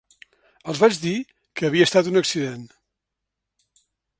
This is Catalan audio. Els vaig dir que havia estat un accident.